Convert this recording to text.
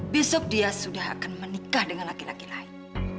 besok dia sudah akan menikah dengan laki laki lain